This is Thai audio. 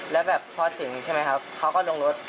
แล้วแบบพอถึงใช่ไหมครับเขาก็ลงรถ